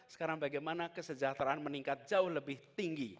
sekarang bagaimana kesejahteraan meningkat jauh lebih tinggi